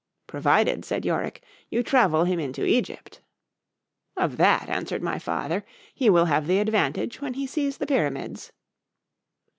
——Provided, said Yorick, you travel him into Egypt.—Of that, answered my father, he will have the advantage, when he sees the _Pyramids.